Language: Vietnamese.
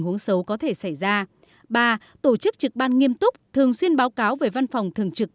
huống có thể xảy ra ba tổ chức trực ban nghiêm túc thường xuyên báo cáo về văn phòng thường trực